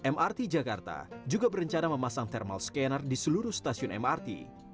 mrt jakarta juga berencana memasang thermal scanner di seluruh stasiun mrt